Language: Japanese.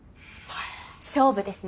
勝負ですね。